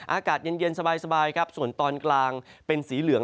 อากาศเย็นสบายครับส่วนตอนกลางเป็นสีเหลือง